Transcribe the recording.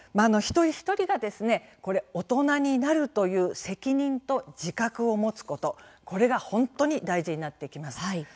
一人一人が大人になるという責任と自覚を持つことこれが本当に大事になってきます。